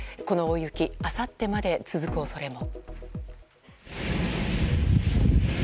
この大雪、あさってまで続く恐れも。